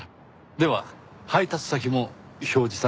では配達先も表示されるわけですね？